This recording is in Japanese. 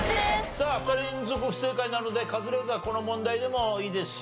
さあ２人連続不正解なのでカズレーザーこの問題でもいいですし。